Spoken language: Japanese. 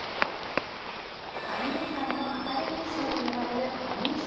アニメ界のアカデミー賞と呼ばれるアニー賞。